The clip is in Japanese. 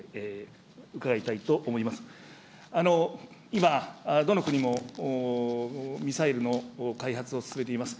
今、どの国もミサイルの開発を進めています。